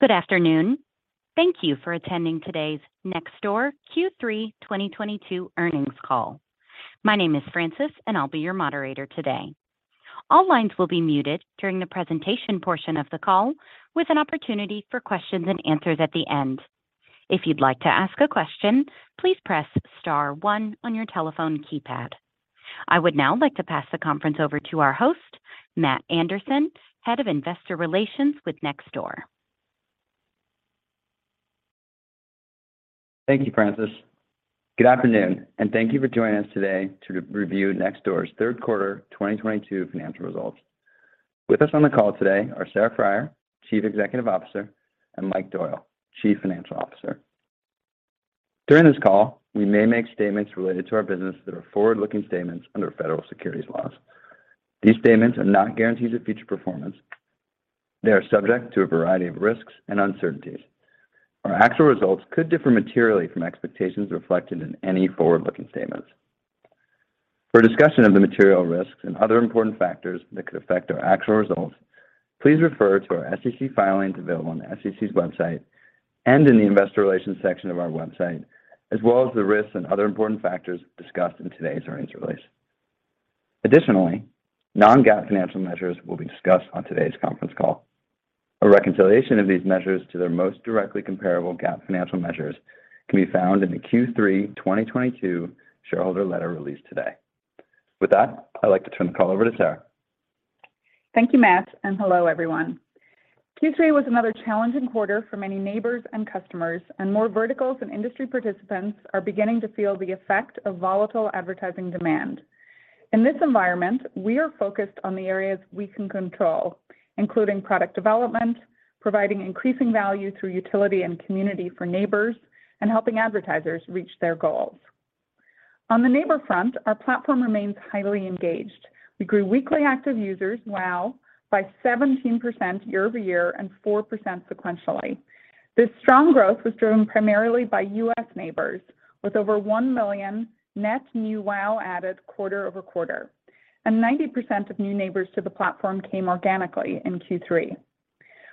Good afternoon. Thank you for attending today's Nextdoor Q3 2022 Earnings Call. My name is Frances, and I'll be your moderator today. All lines will be muted during the presentation portion of the call, with an opportunity for questions and answers at the end. If you'd like to ask a question, please press star one on your telephone keypad. I would now like to pass the conference over to our host, Matt Anderson, Head of Investor Relations with Nextdoor. Thank you, Frances. Good afternoon, and thank you for joining us today to review Nextdoor's third quarter 2022 financial results. With us on the call today are Sarah Friar, Chief Executive Officer, and Mike Doyle, Chief Financial Officer. During this call, we may make statements related to our business that are forward-looking statements under federal securities laws. These statements are not guarantees of future performance. They are subject to a variety of risks and uncertainties. Our actual results could differ materially from expectations reflected in any forward-looking statements. For a discussion of the material risks and other important factors that could affect our actual results, please refer to our SEC filings available on the SEC's website and in the investor relations section of our website, as well as the risks and other important factors discussed in today's earnings release. Additionally, non-GAAP financial measures will be discussed on today's conference call. A reconciliation of these measures to their most directly comparable GAAP financial measures can be found in the Q3 2022 shareholder letter released today. With that, I'd like to turn the call over to Sarah. Thank you, Matt, and hello, everyone. Q3 was another challenging quarter for many neighbors and customers, and more verticals and industry participants are beginning to feel the effect of volatile advertising demand. In this environment, we are focused on the areas we can control, including product development, providing increasing value through utility and community for neighbors, and helping advertisers reach their goals. On the neighbor front, our platform remains highly engaged. We grew Weekly Active Users, WAU, by 17% year-over-year and 4% sequentially. This strong growth was driven primarily by U.S. neighbors with over 1 million net new WAU added quarter-over-quarter, and 90% of new neighbors to the platform came organically in Q3.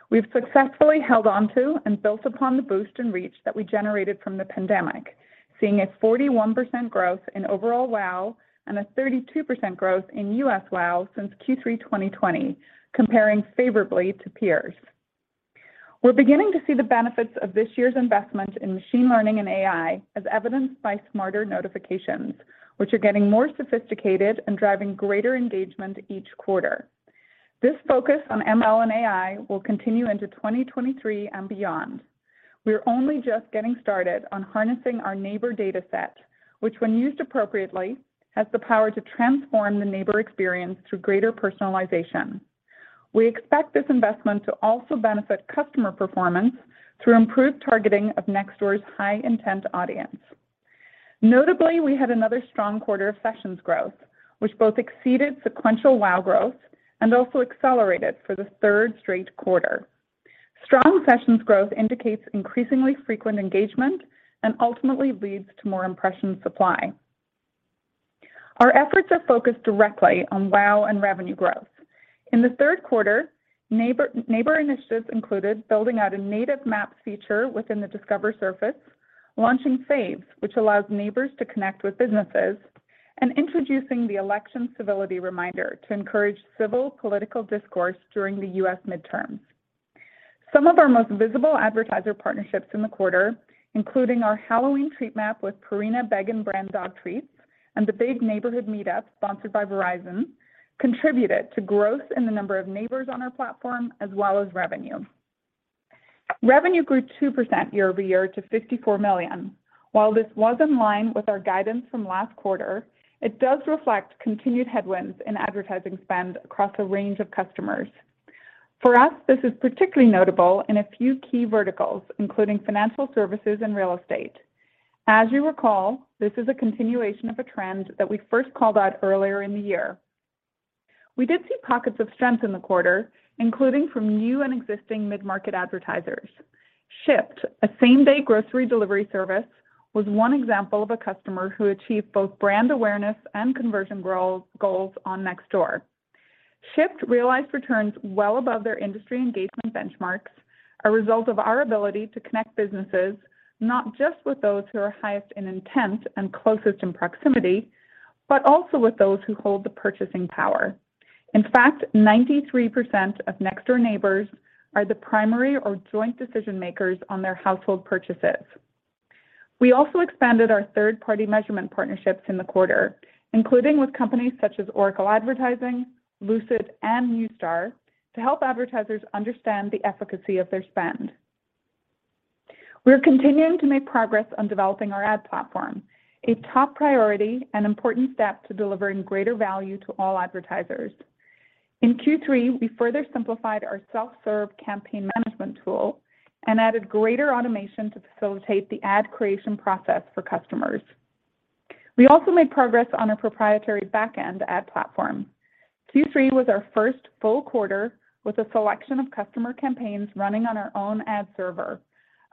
We've successfully held onto and built upon the boost in reach that we generated from the pandemic, seeing a 41% growth in overall WAU and a 32% growth in U.S. WAU since Q3 2020, comparing favorably to peers. We're beginning to see the benefits of this year's investment in machine learning and AI as evidenced by smarter notifications, which are getting more sophisticated and driving greater engagement each quarter. This focus on ML and AI will continue into 2023 and beyond. We are only just getting started on harnessing our neighbor data set, which when used appropriately, has the power to transform the neighbor experience through greater personalization. We expect this investment to also benefit customer performance through improved targeting of Nextdoor's high intent audience. Notably, we had another strong quarter of sessions growth, which both exceeded Sequential WAU growth and also accelerated for the third straight quarter. Strong sessions growth indicates increasingly frequent engagement and ultimately leads to more impression supply. Our efforts are focused directly on WAU and revenue growth. In the third quarter, neighbor initiatives included building out a native map feature within the Discover surface, launching Faves, which allows neighbors to connect with businesses, and introducing the Election Civility Reminder to encourage civil political discourse during the U.S. midterms. Some of our most visible advertiser partnerships in the quarter, including our Halloween Treat Map with Purina Beggin' Brand Dog Treats and the Big Neighborhood MeetUp sponsored by Verizon, contributed to growth in the number of neighbors on our platform, as well as revenue. Revenue grew 2% year-over-year to $54 million. While this was in line with our guidance from last quarter, it does reflect continued headwinds in advertising spend across a range of customers. For us, this is particularly notable in a few key verticals, including financial services and real estate. As you recall, this is a continuation of a trend that we first called out earlier in the year. We did see pockets of strength in the quarter, including from new and existing mid-market advertisers. Shipt, a same-day grocery delivery service, was one example of a customer who achieved both brand awareness and conversion goals on Nextdoor. Shipt realized returns well above their industry engagement benchmarks, a result of our ability to connect businesses not just with those who are highest in intent and closest in proximity, but also with those who hold the purchasing power. In fact, 93% of Nextdoor neighbors are the primary or joint decision-makers on their household purchases. We also expanded our third-party measurement partnerships in the quarter, including with companies such as Oracle Advertising, Lucid, and Neustar to help advertisers understand the efficacy of their spend. We're continuing to make progress on developing our ad platform, a top priority and important step to delivering greater value to all advertisers. In Q3, we further simplified our Self-Serve Campaign Management tool and added greater automation to facilitate the ad creation process for customers. We also made progress on our proprietary back-end ad platform. Q3 was our first full quarter with a selection of customer campaigns running on our own ad server,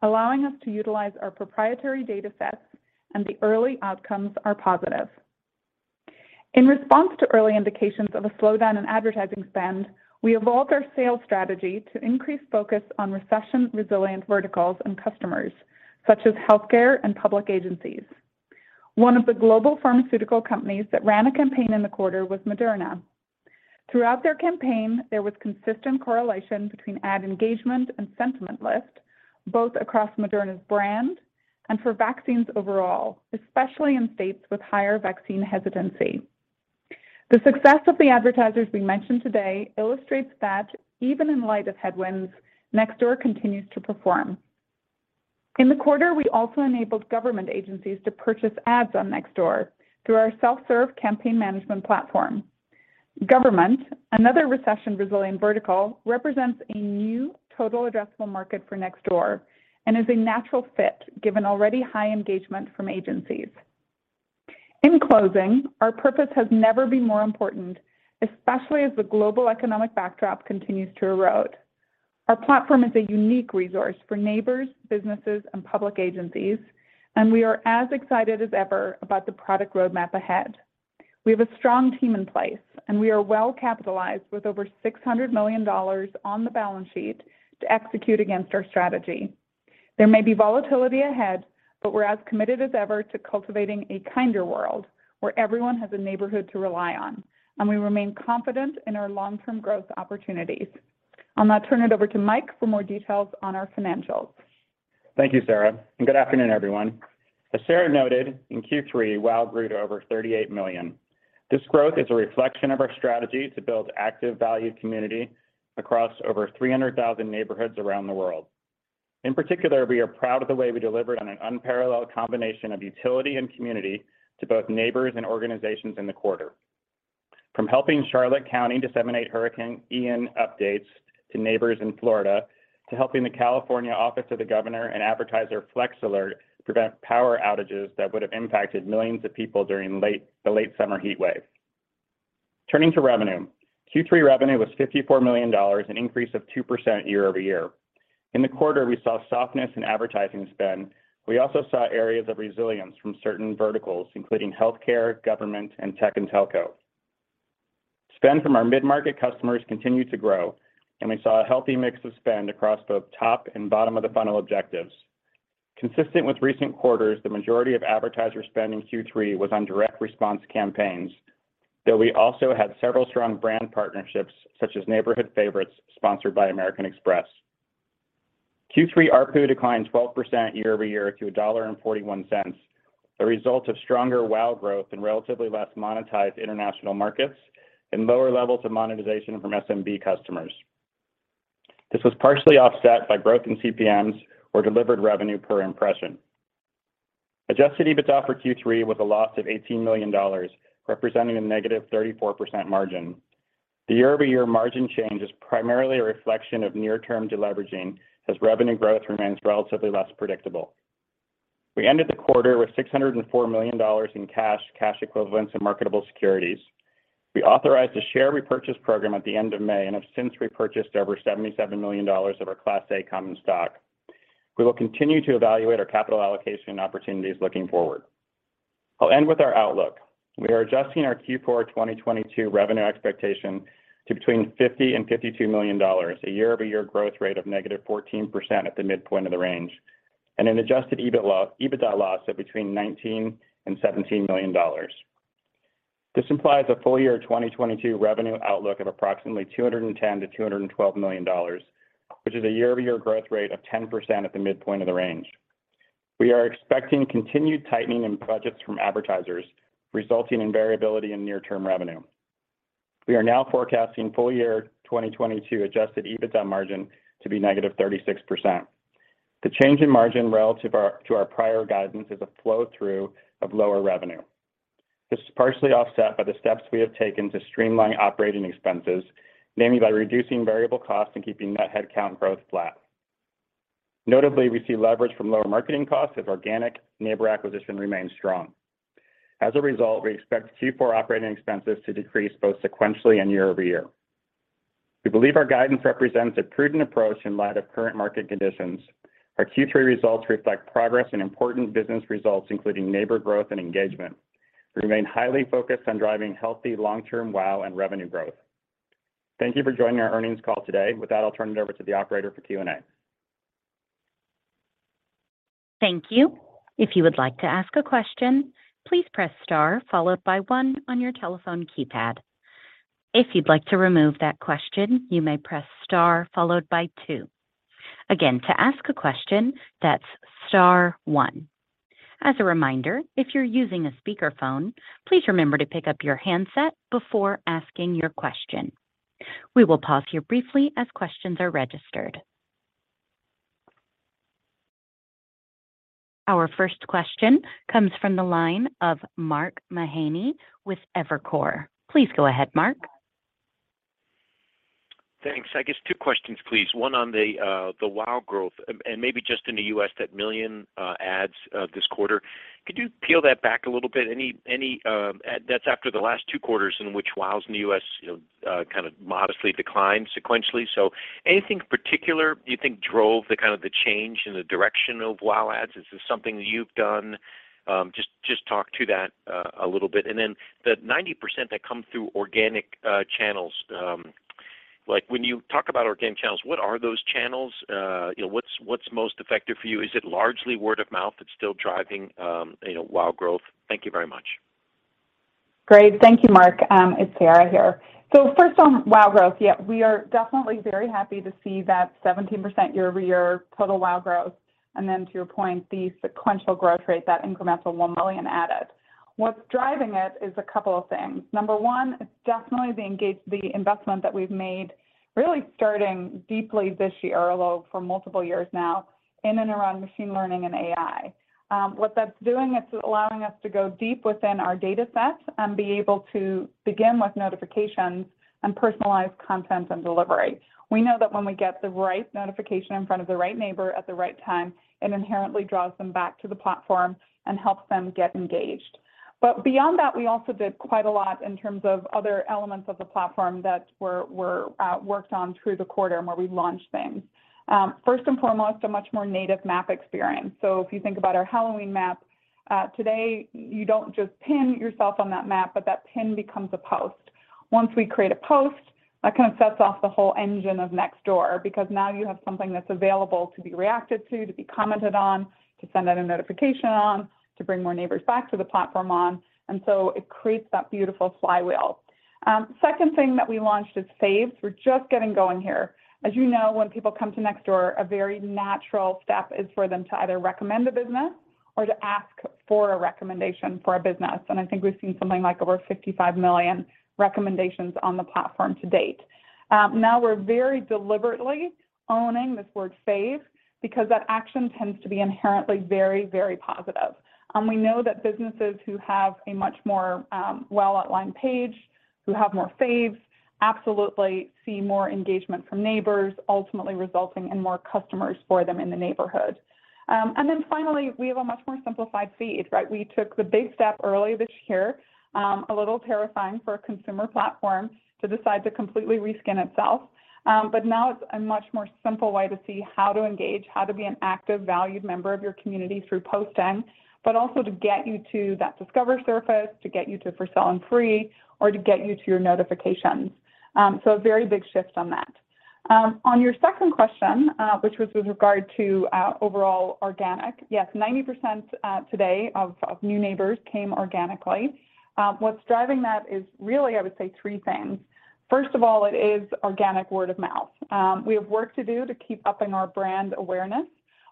allowing us to utilize our proprietary datasets, and the early outcomes are positive. In response to early indications of a slowdown in advertising spend, we evolved our sales strategy to increase focus on recession-resilient verticals and customers, such as healthcare and public agencies. One of the global pharmaceutical companies that ran a campaign in the quarter was Moderna. Throughout their campaign, there was consistent correlation between ad engagement and sentiment lift, both across Moderna's brand and for vaccines overall, especially in states with higher vaccine hesitancy. The success of the advertisers we mentioned today illustrates that even in light of headwinds, Nextdoor continues to perform. In the quarter, we also enabled government agencies to purchase ads on Nextdoor through our Self-Serve Campaign Management platform. Government, another recession-resilient vertical, represents a new total addressable market for Nextdoor and is a natural fit given already high engagement from agencies. In closing, our purpose has never been more important, especially as the global economic backdrop continues to erode. Our platform is a unique resource for neighbors, businesses, and public agencies, and we are as excited as ever about the product roadmap ahead. We have a strong team in place, and we are well capitalized with over $600 million on the balance sheet to execute against our strategy. There may be volatility ahead, but we're as committed as ever to cultivating a kinder world where everyone has a neighborhood to rely on, and we remain confident in our long-term growth opportunities. I'll now turn it over to Mike for more details on our financials. Thank you, Sarah, and good afternoon, everyone. As Sarah noted, in Q3, WAU grew to over 38 million. This growth is a reflection of our strategy to build active, valued community across over 300,000 neighborhoods around the world. In particular, we are proud of the way we delivered on an unparalleled combination of utility and community to both neighbors and organizations in the quarter. From helping Charlotte County disseminate Hurricane Ian updates to neighbors in Florida to helping the California Governor's Office of Emergency Services and Flex Alert prevent power outages that would have impacted millions of people during the late summer heat wave. Turning to revenue, Q3 revenue was $54 million, an increase of 2% year-over-year. In the quarter, we saw softness in advertising spend. We also saw areas of resilience from certain verticals, including healthcare, government, and tech and telco. Spend from our mid-market customers continued to grow, and we saw a healthy mix of spend across both top and bottom of the funnel objectives. Consistent with recent quarters, the majority of advertiser spend in Q3 was on direct response campaigns, though we also had several strong brand partnerships, such as Neighborhood Favorites, sponsored by American Express. Q3 ARPU declined 12% year-over-year to $1.41, a result of stronger WAU growth in relatively less monetized international markets and lower levels of monetization from SMB customers. This was partially offset by growth in CPMs or delivered revenue per impression. Adjusted EBITDA for Q3 was a loss of $18 million, representing a -34% margin. The year-over-year margin change is primarily a reflection of near-term deleveraging as revenue growth remains relatively less predictable. We ended the quarter with $604 million in cash equivalents, and marketable securities. We authorized a share repurchase program at the end of May and have since repurchased over $77 million of our Class A common stock. We will continue to evaluate our capital allocation opportunities looking forward. I'll end with our outlook. We are adjusting our Q4 2022 revenue expectation to between $50 million and 52 million, a year-over-year growth rate of negative 14% at the midpoint of the range, and an Adjusted EBITDA loss of between $19 million and 17 million. This implies a full-year 2022 revenue outlook of approximately $210 million to 212 million, which is a year-over-year growth rate of 10% at the midpoint of the range. We are expecting continued tightening in budgets from advertisers, resulting in variability in near-term revenue. We are now forecasting full-year 2022 Adjusted EBITDA margin to be negative 36%. The change in margin relative to our prior guidance is a flow-through of lower revenue. This is partially offset by the steps we have taken to streamline operating expenses, namely by reducing variable costs and keeping net headcount growth flat. Notably, we see leverage from lower marketing costs as organic neighbor acquisition remains strong. As a result, we expect Q4 operating expenses to decrease both sequentially and year-over-year. We believe our guidance represents a prudent approach in light of current market conditions. Our Q3 results reflect progress in important business results, including neighbor growth and engagement. We remain highly focused on driving healthy long-term WAU and revenue growth. Thank you for joining our earnings call today. With that, I'll turn it over to the operator for Q&A. Thank you. If you would like to ask a question, please press star followed by one on your telephone keypad. If you'd like to remove that question, you may press star followed by two. Again, to ask a question, that's star one. As a reminder, if you're using a speakerphone, please remember to pick up your handset before asking your question. We will pause here briefly as questions are registered. Our first question comes from the line of Mark Mahaney with Evercore. Please go ahead, Mark. Thanks. I guess two questions, please. One on the WAU growth and maybe just in the U.S., that 1 million ads this quarter. Could you peel that back a little bit? That's after the last two quarters in which WAUs in the U.S., you know, kind of modestly declined sequentially. Anything in particular you think drove the kind of change in the direction of WAU ads? Is this something you've done? Just talk to that a little bit. Then the 90% that come through organic channels. Like when you talk about organic channels, what are those channels? You know, what's most effective for you? Is it largely word of mouth that's still driving, you know, WAU growth? Thank you very much. Great. Thank you, Mark. It's Sarah here. First on WAU growth, yeah, we are definitely very happy to see that 17% year-over-year total WAU growth. Then to your point, the sequential growth rate, that incremental 1 million added. What's driving it is a couple of things. Number one, it's definitely the investment that we've made really starting deeply this year, although for multiple years now in and around machine learning and AI. What that's doing, it's allowing us to go deep within our data sets and be able to begin with notifications and personalize content and delivery. We know that when we get the right notification in front of the right neighbor at the right time, it inherently draws them back to the platform and helps them get engaged. Beyond that, we also did quite a lot in terms of other elements of the platform that were worked on through the quarter and where we launched things. First and foremost, a much more native map experience. If you think about our Halloween map, today, you don't just pin yourself on that map, but that pin becomes a post. Once we create a post, that kind of sets off the whole engine of Nextdoor, because now you have something that's available to be reacted to be commented on, to send out a notification on, to bring more neighbors back to the platform on. It creates that beautiful flywheel. Second thing that we launched is Faves. We're just getting going here. As you know, when people come to Nextdoor, a very natural step is for them to either recommend a business or to ask for a recommendation for a business. I think we've seen something like over 55 million recommendations on the platform to date. Now we're very deliberately owning this word Faves because that action tends to be inherently very, very positive. We know that businesses who have a much more well-outlined page, who have more Faves, absolutely see more engagement from neighbors, ultimately resulting in more customers for them in the neighborhood. Then finally, we have a much more simplified feed, right? We took the big step earlier this year, a little terrifying for a consumer platform to decide to completely reskin itself. Now it's a much more simple way to see how to engage, how to be an active, valued member of your community through posting, but also to get you to that Discover surface, to get you to For Sale & Free, or to get you to your notifications. A very big shift on that. On your second question, which was with regard to overall organic. Yes, 90% today of new neighbors came organically. What's driving that is really, I would say, three things. First of all, it is organic word of mouth. We have work to do to keep upping our brand awareness,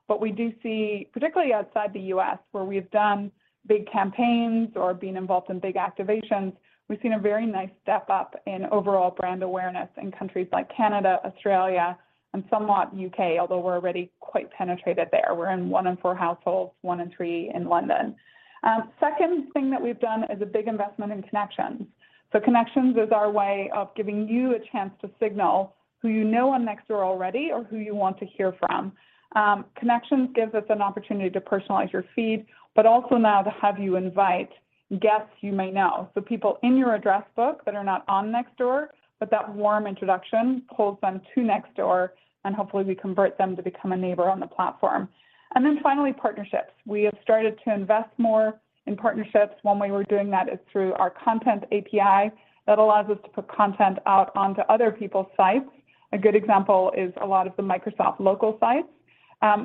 but we do see, particularly outside the U.S., where we've done big campaigns or been involved in big activations, we've seen a very nice step up in overall brand awareness in countries like Canada, Australia, and somewhat U.K., although we're already quite penetrated there. We're in one in four households, one in three in London. Second thing that we've done is a big investment in Connections. Connections is our way of giving you a chance to signal who you know on Nextdoor already or who you want to hear from. Connections gives us an opportunity to personalize your feed, but also now to have you invite guests you may know. People in your address book that are not on Nextdoor, but that warm introduction pulls them to Nextdoor, and hopefully we convert them to become a neighbor on the platform. Finally, partnerships. We have started to invest more in partnerships. One way we're doing that is through our content API that allows us to put content out onto other people's sites. A good example is a lot of the Microsoft local sites.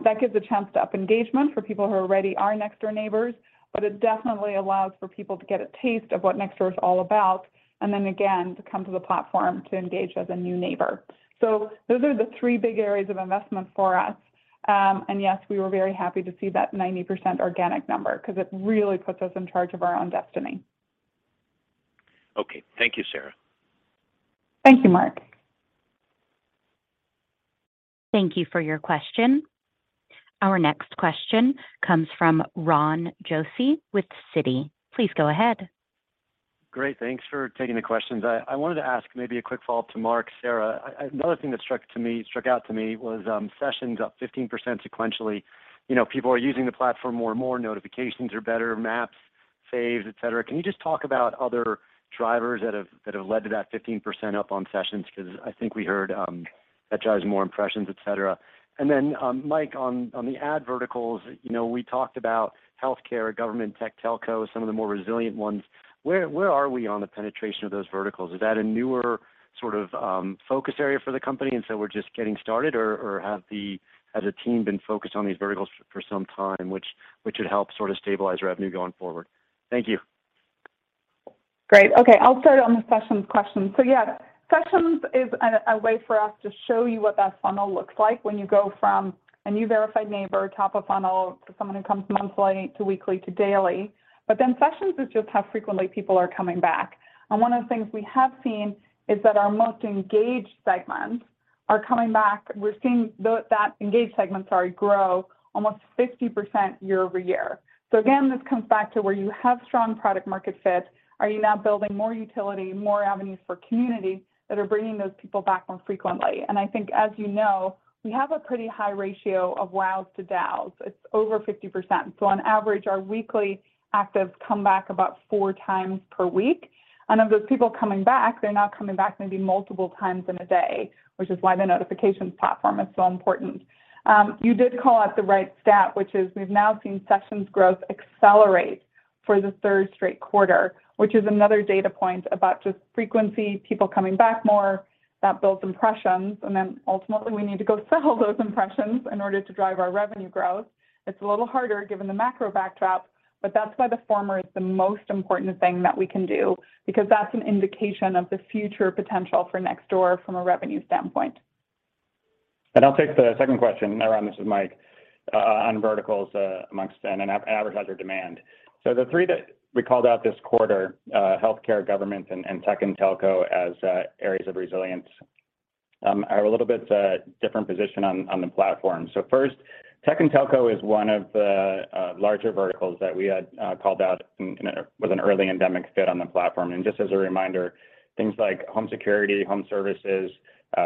That gives a chance to up engagement for people who already are Nextdoor neighbors, but it definitely allows for people to get a taste of what Nextdoor is all about, and then again, to come to the platform to engage as a new neighbor. Those are the three big areas of investment for us. And yes, we were very happy to see that 90% organic number 'cause it really puts us in charge of our own destiny. Okay. Thank you, Sarah. Thank you, Mark. Thank you for your question. Our next question comes from Ron Josey with Citi. Please go ahead. Great. Thanks for taking the questions. I wanted to ask maybe a quick follow-up to Mark, Sarah. Another thing that struck out to me was sessions up 15% sequentially. You know, people are using the platform more and more, notifications are Better, Maps, Faves, et cetera. Can you just talk about other drivers that have led to that 15% up on sessions? Cause I think we heard that drives more impressions, et cetera. Mike, on the ad verticals, you know, we talked about healthcare, government, tech, telco, some of the more resilient ones. Where are we on the penetration of those verticals? Is that a newer sort of focus area for the company, and so we're just getting started or has the team been focused on these verticals for some time, which would help sort of stabilize revenue going forward? Thank you. Great. Okay. I'll start on the sessions question. Yeah, sessions is a way for us to show you what that funnel looks like when you go from a new verified neighbor, top of funnel, to someone who comes monthly to weekly to daily. Then sessions is just how frequently people are coming back. One of the things we have seen is that our most engaged segments are coming back. We're seeing that engaged segment, sorry, grow almost 50% year-over-year. Again, this comes back to where you have strong product market fit. Are you now building more utility, more avenues for community that are bringing those people back more frequently? I think, as you know, we have a pretty high ratio of WAUs to DAUs. It's over 50%. On average, our weekly actives come back about 4x per week. Of those people coming back, they're now coming back maybe multiple times in a day, which is why the notifications platform is so important. You did call out the right stat, which is we've now seen sessions growth accelerate. For the third straight quarter, which is another data point about just frequency, people coming back more, that builds impressions, and then ultimately we need to go sell those impressions in order to drive our revenue growth. It's a little harder given the macro backdrop, but that's why the former is the most important thing that we can do, because that's an indication of the future potential for Nextdoor from a revenue standpoint. I'll take the second question, Ron Jose, this is Mike, on verticals amongst advertiser demand. The three that we called out this quarter, healthcare, government, and tech and telco as areas of resilience, are a little bit different position on the platform. First, tech and telco is one of the larger verticals that we had called out and with an early endemic fit on the platform. Just as a reminder, things like home security, home services,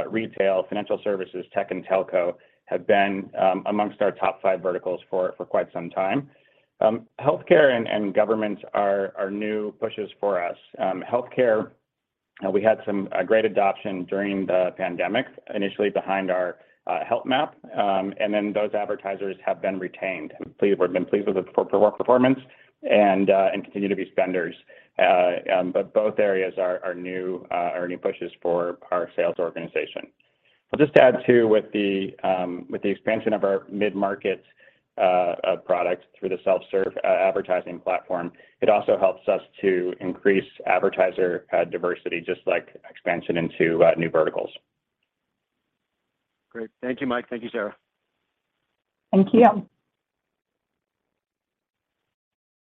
retail, financial services, tech and telco have been amongst our top five verticals for quite some time. Healthcare and government are new pushes for us. Healthcare, we had a great adoption during the pandemic, initially behind our health map. Then those advertisers have been retained. We've been pleased with the performance and continue to be spenders. Both areas are new pushes for our sales organization. I'll just add too, with the expansion of our mid-market product through the self-serve advertising platform, it also helps us to increase advertiser diversity just like expansion into new verticals. Great. Thank you, Mike. Thank you, Sarah. Thank you. Yeah.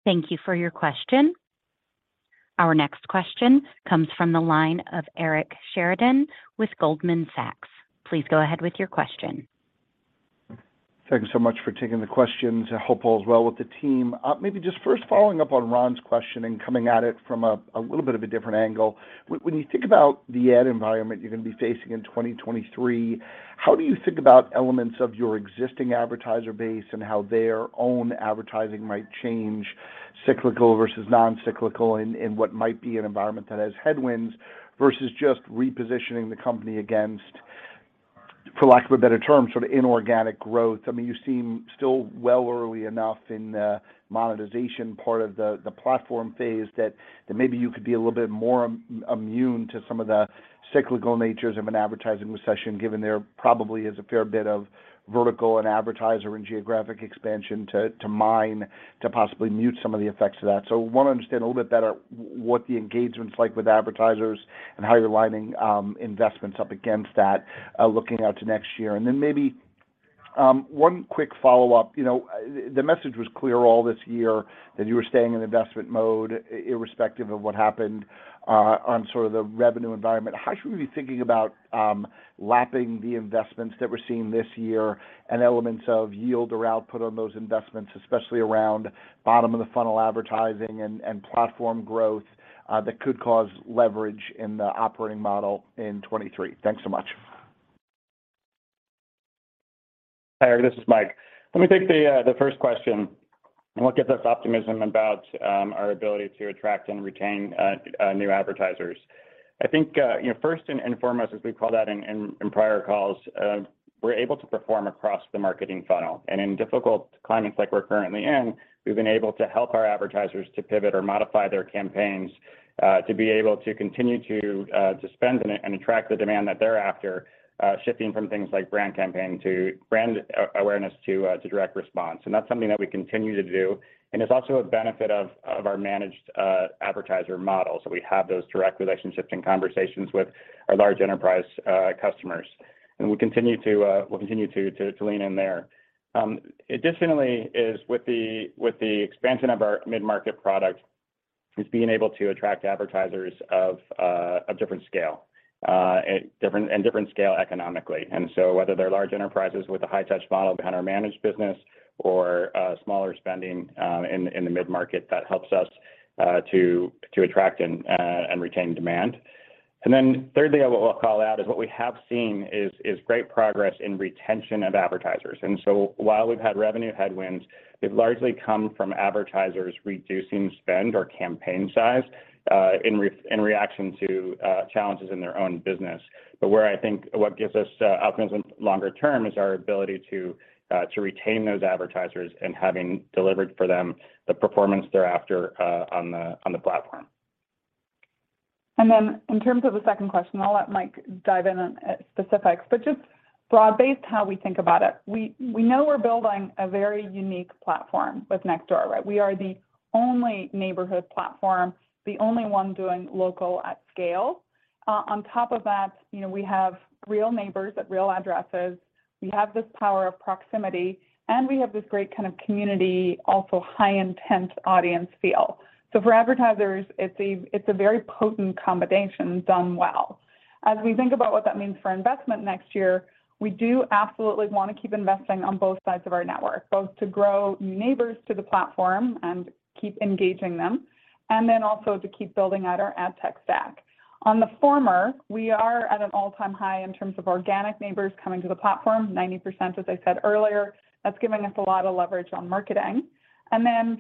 Thank you for your question. Our next question comes from the line of Eric Sheridan with Goldman Sachs. Please go ahead with your question. Thank you so much for taking the questions. I hope all is well with the team. Maybe just first following up on Ron's question and coming at it from a little bit of a different angle. When you think about the ad environment you're gonna be facing in 2023, how do you think about elements of your existing advertiser base and how their own advertising might change cyclical versus non-cyclical in what might be an environment that has headwinds versus just repositioning the company against, for lack of a better term, sort of inorganic growth? I mean, you seem still well early enough in the monetization part of the platform phase that maybe you could be a little bit more immune to some of the cyclical natures of an advertising recession, given there probably is a fair bit of vertical and advertiser and geographic expansion to mine to possibly mute some of the effects of that. Wanna understand a little bit better what the engagement's like with advertisers and how you're lining investments up against that, looking out to next year. Then maybe one quick follow-up. You know, the message was clear all this year that you were staying in investment mode irrespective of what happened on sort of the revenue environment. How should we be thinking about lapping the investments that we're seeing this year and elements of yield or output on those investments, especially around bottom of the funnel advertising and platform growth that could cause leverage in the operating model in 2023? Thanks so much. Hi, Eric, this is Mike. Let me take the first question on what gives us optimism about our ability to attract and retain new advertisers. I think you know, first and foremost, as we called out in prior calls, we're able to perform across the marketing funnel. In difficult climates like we're currently in, we've been able to help our advertisers to pivot or modify their campaigns to be able to continue to spend and attract the demand that they're after, shifting from things like brand campaigns to brand awareness to direct response. That's something that we continue to do, and it's also a benefit of our managed advertiser model. We have those direct relationships and conversations with our large enterprise customers. We'll continue to lean in there. Additionally, with the expansion of our mid-market product is being able to attract advertisers of different scale and different scale economically. Whether they're large enterprises with a high touch model behind our managed business or smaller spending in the mid-market, that helps us to attract and retain demand. Thirdly, what we'll call out is what we have seen is great progress in retention of advertisers. While we've had revenue headwinds, they've largely come from advertisers reducing spend or campaign size in reaction to challenges in their own business. Where I think what gives us optimism longer term is our ability to retain those advertisers and having delivered for them the performance they're after on the platform. In terms of the second question, I'll let Mike dive in on specifics, but just broad-based how we think about it. We know we're building a very unique platform with Nextdoor, right? We are the only neighborhood platform, the only one doing local at scale. On top of that, you know, we have real neighbors at real addresses. We have this power of proximity, and we have this great kind of community, also highly intense audience feel. For advertisers, it's a very potent combination done well. As we think about what that means for investment next year, we do absolutely wanna keep investing on both sides of our network, both to grow neighbors to the platform and keep engaging them, and then also to keep building out our ad tech stack. On the former, we are at an all-time high in terms of organic neighbors coming to the platform, 90%, as I said earlier. That's giving us a lot of leverage on marketing.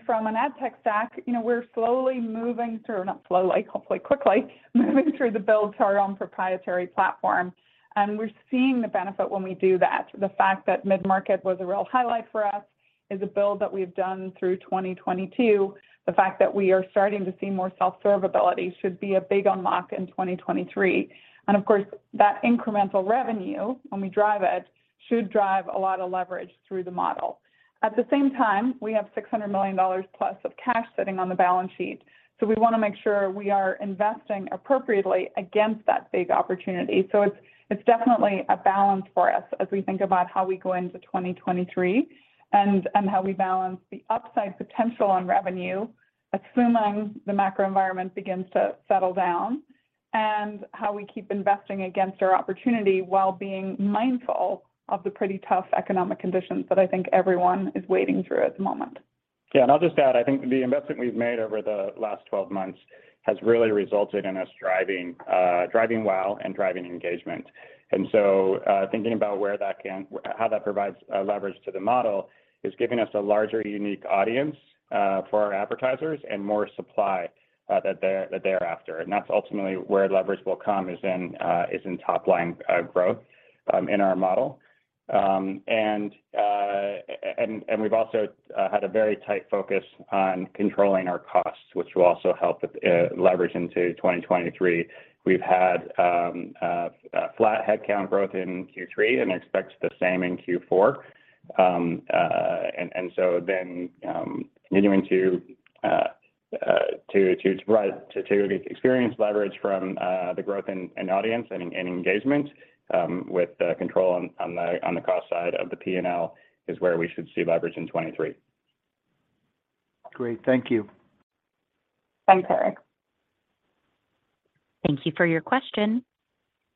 From an ad tech stack, you know, we're slowly moving through, not slowly, hopefully quickly, moving through the build to our own proprietary platform. We're seeing the benefit when we do that. The fact that mid-market was a real highlight for us. is a build that we've done through 2022. The fact that we are starting to see more self-servability should be a big unlock in 2023. of course, that incremental revenue when we drive it should drive a lot of leverage through the model. At the same time, we have $600 million plus of cash sitting on the balance sheet. we wanna make sure we are investing appropriately against that big opportunity. it's definitely a balance for us as we think about how we go into 2023 and how we balance the upside potential on revenue, assuming the macro environment begins to settle down, and how we keep investing against our opportunity while being mindful of the pretty tough economic conditions that I think everyone is wading through at the moment. Yeah. I'll just add, I think the investment we've made over the last 12 months has really resulted in us driving well and driving engagement. Thinking about how that provides leverage to the model is giving us a larger unique audience for our advertisers and more supply that they're after. That's ultimately where leverage will come is in top line growth in our model. We've also had a very tight focus on controlling our costs, which will also help with leverage into 2023. We've had flat headcount growth in Q3 and expect the same in Q4. Continuing to experience leverage from the growth in audience and engagement with control on the cost side of the P&L is where we should see leverage in 2023. Great. Thank you. Thanks, Eric. Thank you for your question.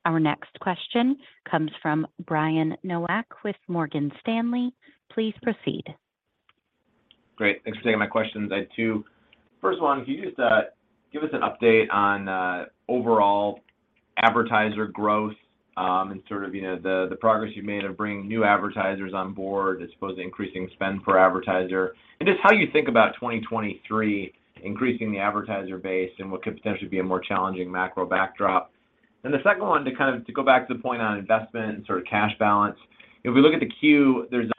Our next question comes from Brian Nowak with Morgan Stanley. Please proceed. Great. Thanks for taking my questions. I had two. First one, can you just give us an update on overall advertiser growth, and sort of, you know, the progress you've made of bringing new advertisers on board, I suppose, increasing spend per advertiser, and just how you think about 2023 increasing the advertiser base in what could potentially be a more challenging macro backdrop. The second one, to kind of go back to the point on investment and sort of cash balance. If we look at the queue, there's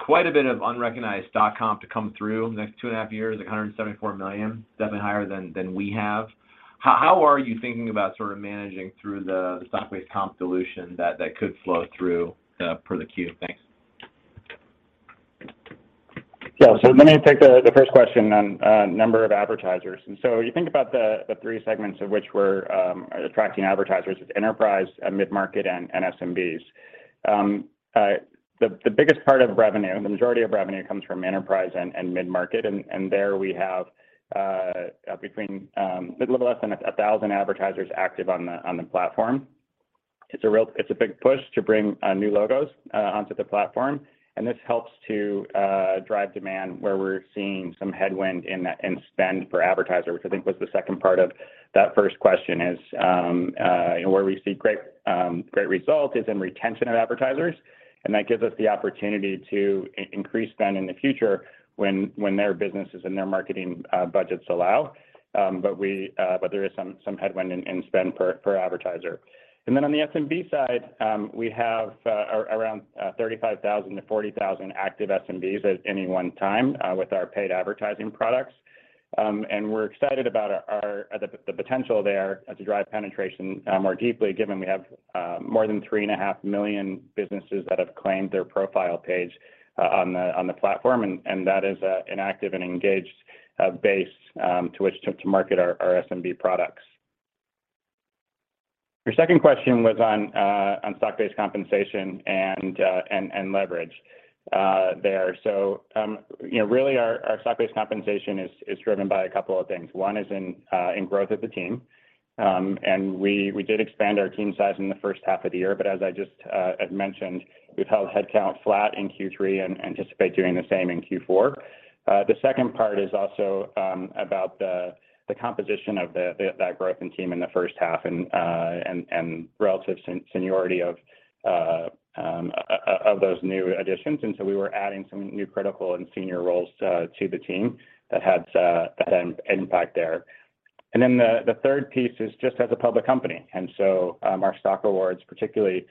quite a bit of unrecognized stock-based comp to come through the next two and a half years, like $174 million, definitely higher than we have. How are you thinking about sort of managing through the stock-based comp dilution that could flow through for the queue? Thanks. Yeah. Let me take the first question on number of advertisers. You think about the three segments of which we're attracting advertisers is enterprise, mid-market, and SMBs. The biggest part of revenue, the majority of revenue comes from enterprise and mid-market. There we have between a little less than 1,000 advertisers active on the platform. It's a big push to bring new logos onto the platform, and this helps to drive demand where we're seeing some headwind in spend per advertiser, which I think was the second part of that first question. You know, where we see great result is in retention of advertisers, and that gives us the opportunity to increase spend in the future when their businesses and their marketing budgets allow. But there is some headwind in spend per advertiser. On the SMB side, we have around 35,000-40,000 active SMBs at any one time with our paid advertising products. We're excited about our the potential there to drive penetration more deeply given we have more than 3.5 million businesses that have claimed their profile page on the platform, and that is an active and engaged base to which to market our SMB products. Your second question was on stock-based compensation and leverage there. You know, really our stock-based compensation is driven by a couple of things. One is in growth of the team. We did expand our team size in the first half of the year, but as I just had mentioned, we've held headcount flat in Q3 and anticipate doing the same in Q4. The second part is also about the composition of that growth in team in the first half and relative seniority of those new additions. We were adding some new critical and senior roles to the team that had an impact there. The third piece is just as a public company. Our stock awards particularly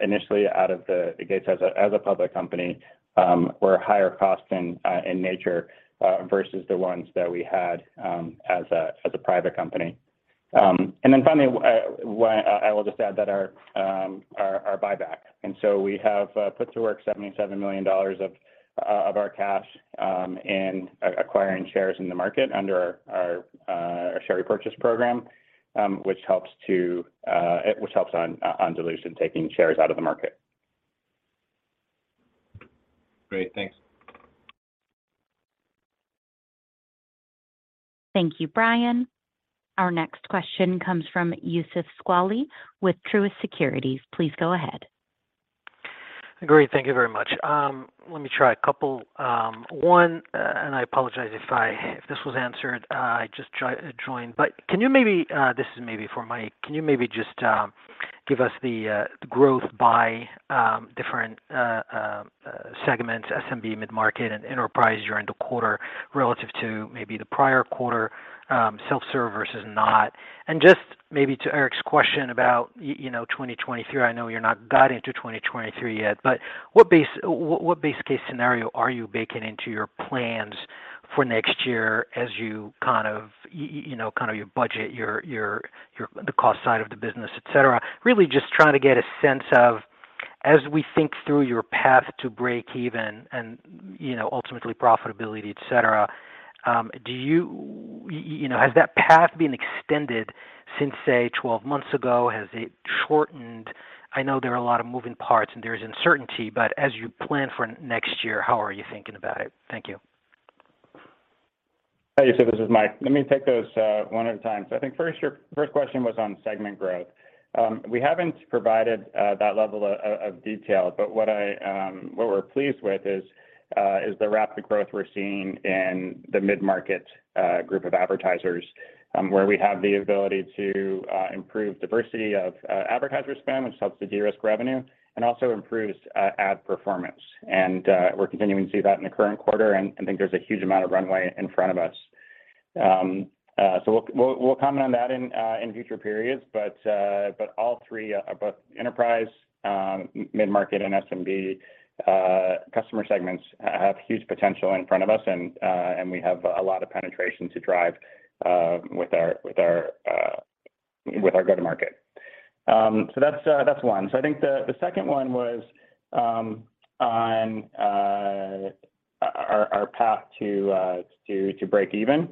initially out of the gates as a public company were higher cost in nature versus the ones that we had as a private company. Finally, what I will just add that our buyback. We have put to work $77 million of our cash in acquiring shares in the market under our share repurchase program, which helps on dilution, taking shares out of the market. Great. Thanks. Thank you, Brian. Our next question comes from Youssef Squali with Truist Securities. Please go ahead. Great. Thank you very much. Let me try a couple. One, and I apologize if this was answered. I just joined. But can you maybe, this is maybe for Mike. Can you maybe just give us the growth by different segments, SMB, mid-market, and enterprise during the quarter relative to maybe the prior quarter, self-serve versus not? Just maybe to Eric's question about you know, 2023. I know you're not got into 2023 yet, but what base case scenario are you baking into your plans? For next year as you kind of, you know, kind of budget the cost side of the business, et cetera. Really just trying to get a sense of as we think through your path to break even and, you know, ultimately profitability, et cetera, do you know, has that path been extended since, say, 12 months ago? Has it shortened? I know there are a lot of moving parts and there is uncertainty, but as you plan for next year, how are you thinking about it? Thank you. Hey, Youssef, this is Mike. Let me take those one at a time. I think first, your first question was on segment growth. We haven't provided that level of detail, but what we're pleased with is the rapid growth we're seeing in the mid-market group of advertisers, where we have the ability to improve diversity of advertiser spend, which helps to de-risk revenue and also improves ad performance. We're continuing to do that in the current quarter and think there's a huge amount of runway in front of us. We'll comment on that in future periods, but both enterprise, mid-market, and SMB customer segments have huge potential in front of us and we have a lot of penetration to drive with our go-to-market. That's one. I think the second one was on our path to break even.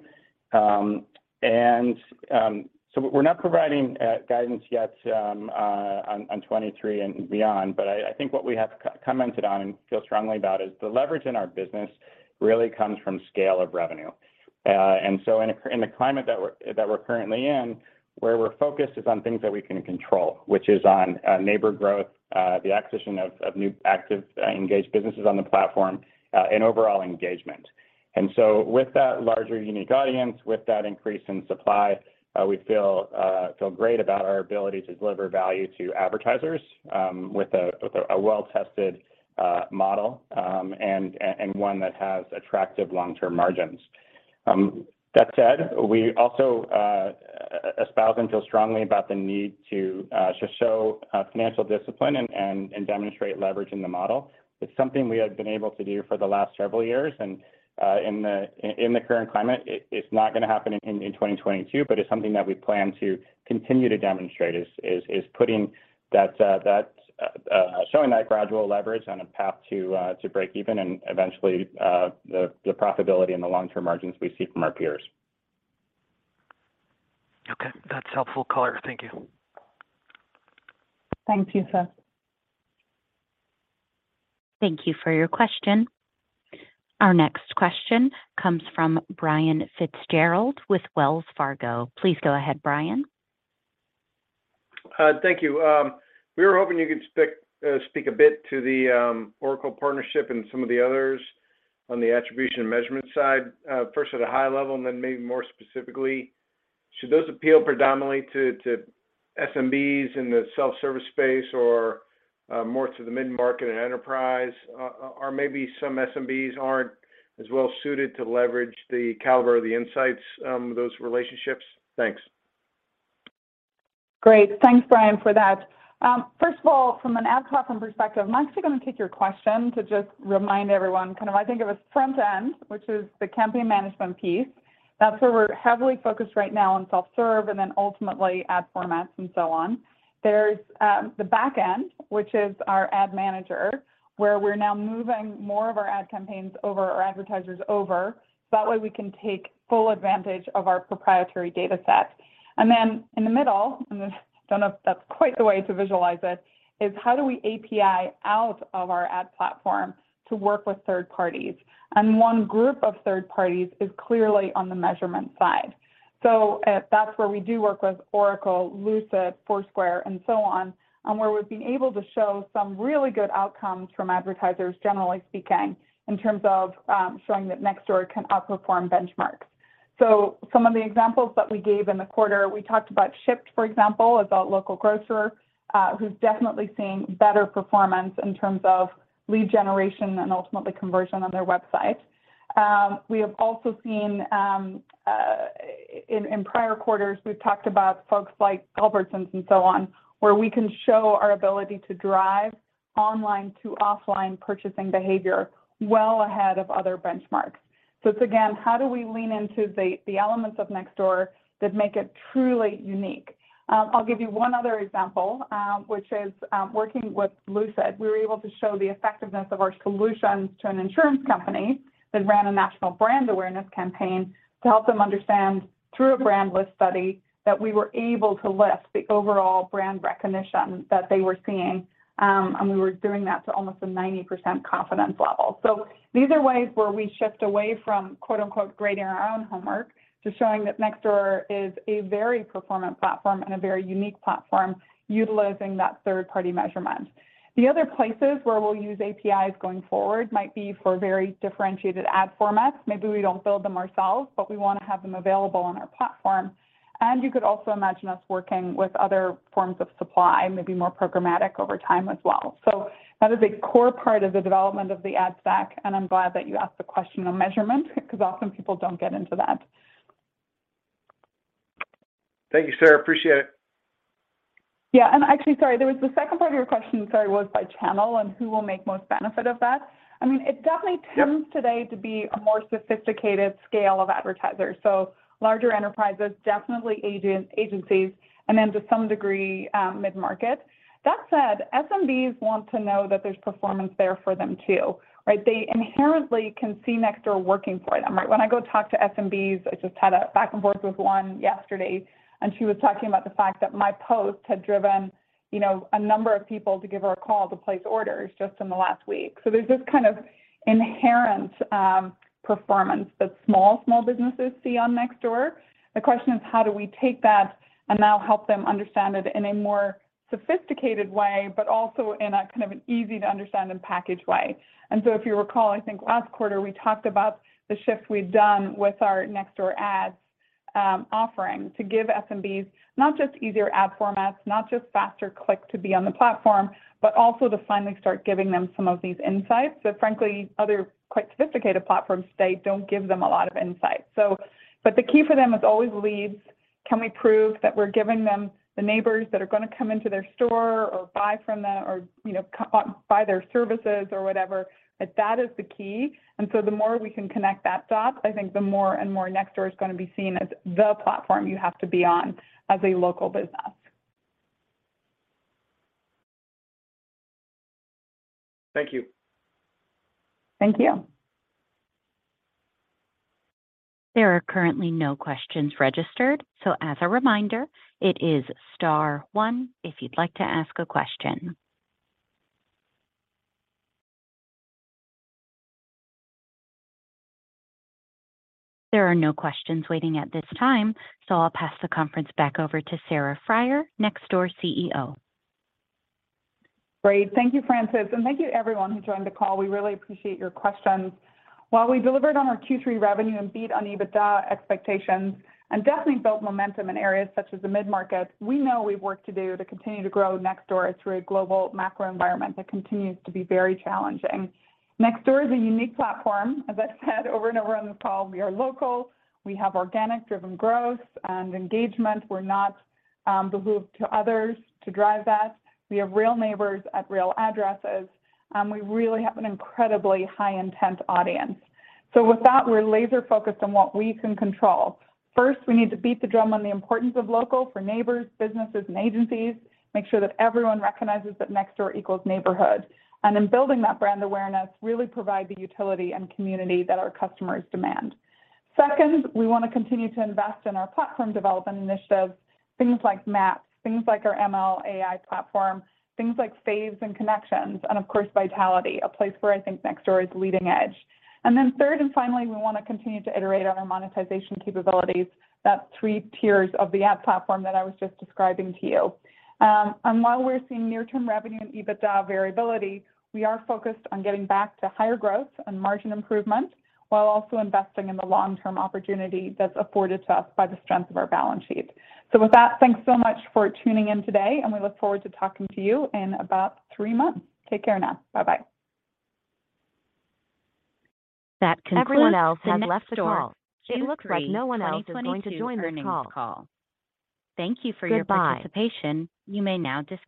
We're not providing guidance yet on 2023 and beyond, but I think what we have commented on and feel strongly about is the leverage in our business really comes from scale of revenue. In the climate that we're currently in, where we're focused is on things that we can control, which is on neighbor growth, the acquisition of new active engaged businesses on the platform, and overall engagement. With that larger unique audience, with that increase in supply, we feel great about our ability to deliver value to advertisers, with a well-tested model, and one that has attractive long-term margins. That said, we also espouse and feel strongly about the need to just show financial discipline and demonstrate leverage in the model. It's something we have been able to do for the last several years. In the current climate, it's not gonna happen in 2022, but it's something that we plan to continue to demonstrate is showing that gradual leverage on a path to break even and eventually the profitability and the long-term margins we see from our peers. Okay, that's helpful color. Thank you. Thanks, Youssef. Thank you for your question. Our next question comes from Brian Fitzgerald with Wells Fargo. Please go ahead, Brian. Thank you. We were hoping you could speak a bit to the Oracle partnership and some of the others on the attribution measurement side. First at a high level and then maybe more specifically, should those appeal predominantly to SMBs in the self-service space or more to the mid-market and enterprise? Or maybe some SMBs aren't as well suited to leverage the caliber of the insights of those relationships? Thanks. Great. Thanks, Brian, for that. First of all, from an ad platform perspective, Mike's gonna take your question, too, just to remind everyone, kind of what I think of as front end, which is the campaign management piece. That's where we're heavily focused right now on self-serve and then ultimately ad formats and so on. There's the back end, which is our ad manager, where we're now moving more of our ad campaigns and our advertisers over, so that way we can take full advantage of our proprietary dataset. Then in the middle, and this I don't know if that's quite the way to visualize it, is how do we API out of our ad platform to work with third parties? One group of third parties is clearly on the measurement side. That's where we do work with Oracle, Lucid, Foursquare, and so on, and where we've been able to show some really good outcomes from advertisers, generally speaking, in terms of showing that Nextdoor can outperform benchmarks. Some of the examples that we gave in the quarter, we talked about Shipt, for example, is our local grocer, who's definitely seeing better performance in terms of lead generation and ultimately conversion on their website. We have also seen in prior quarters, we've talked about folks like Culver's and so on, where we can show our ability to drive online to offline purchasing behavior well ahead of other benchmarks. It's again, how do we lean into the elements of Nextdoor that make it truly unique? I'll give you one other example, which is, working with Lucid, we were able to show the effectiveness of our solutions to an insurance company that ran a national brand awareness campaign to help them understand through a brand lift study that we were able to lift the overall brand recognition that they were seeing. We were doing that to almost a 90% confidence level. These are ways where we shift away from quote-unquote, "grading our own homework," to showing that Nextdoor is a very performant platform and a very unique platform utilizing that third-party measurement. The other places where we'll use APIs going forward might be for very differentiated ad formats. Maybe we don't build them ourselves, but we wanna have them available on our platform. You could also imagine us working with other forms of supply, maybe more programmatic over time as well. That is a core part of the development of the ad stack, and I'm glad that you asked the question on measurement because often people don't get into that. Thank you, Sarah. Appreciate it. Yeah, actually, sorry, there was the second part of your question, sorry, was by channel and who will make most benefit of that. I mean, it definitely tends. Yep. Today to be a more sophisticated scale of advertisers. Larger enterprises, definitely agencies, and then to some degree, mid-market. That said, SMBs want to know that there's performance there for them too, right? They inherently can see Nextdoor working for them, right? When I go talk to SMBs, I just had a back and forth with one yesterday, and she was talking about the fact that my post had driven, you know, a number of people to give her a call to place orders just in the last week. There's this kind of inherent performance that small businesses see on Nextdoor. The question is how do we take that and now help them understand it in a more sophisticated way, but also in a kind of an easy-to-understand and package way. If you recall, I think last quarter we talked about the shift we've done with our Nextdoor Ads, offering to give SMBs not just easier ad formats, not just faster click to be on the platform, but also to finally start giving them some of these insights that frankly other quite sophisticated platforms today don't give them a lot of insight. But the key for them is always leads. Can we prove that we're giving them the neighbors that are gonna come into their store or buy from them or, you know, co-buy their services or whatever? That is the key. The more we can connect that dot, I think the more and more Nextdoor is gonna be seen as the platform you have to be on as a local business. Thank you. Thank you. There are currently no questions registered, so as a reminder, it is star one if you'd like to ask a question. There are no questions waiting at this time, so I'll pass the conference back over to Sarah Friar, Nextdoor CEO. Great. Thank you, Frances. Thank you everyone who joined the call. We really appreciate your questions. While we delivered on our Q3 revenue and beat on EBITDA expectations and definitely built momentum in areas such as the mid-market, we know we've work to do to continue to grow Nextdoor through a global macro environment that continues to be very challenging. Nextdoor is a unique platform, as I've said over and over on this call. We are local. We have organic-driven growth and engagement. We're not beholden to others to drive that. We have real neighbors at real addresses. We really have an incredibly high intent audience. With that, we're laser-focused on what we can control. First, we need to beat the drum on the importance of local for neighbors, businesses, and agencies, make sure that everyone recognizes that Nextdoor equals neighborhood. In building that brand awareness, really provide the utility and community that our customers demand. Second, we wanna continue to invest in our platform development initiatives, things like maps, things like our ML/AI platform, things like Faves and Connections, and of course, Civility, a place where I think Nextdoor is leading edge. Third and finally, we wanna continue to iterate on our monetization capabilities. That's three tiers of the app platform that I was just describing to you. While we're seeing near-term revenue and EBITDA variability, we are focused on getting back to higher growth and margin improvement while also investing in the long-term opportunity that's afforded to us by the strength of our balance sheet. With that, thanks so much for tuning in today, and we look forward to talking to you in about three months. Take care now. Bye-bye. That concludes the Nextdoor Q3 2022 earnings call. Thank you for your participation. You may now disconnect.